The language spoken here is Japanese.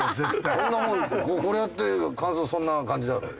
こんなもんこれやって感想そんな感じだろうよ。